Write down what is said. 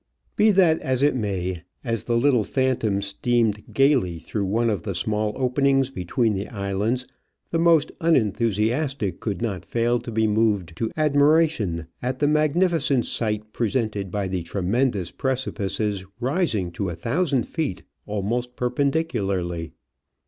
Be that as it may, as the little Phantom steamed gaily through one of the small openings between the islands the most unenthusiastic could not fail to be moved to admiration at the magnificent sight THE BOCAS. presented by the tremendous precipices rising to a thousand feet, almost perpendicularly.